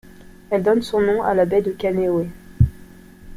Elle donne son nom à la baie de Kaneohe.